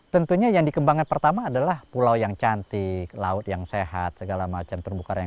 tentunya yang dikembangkan pertama adalah pulau yang cantik laut yang sehat segala macam terumbu karang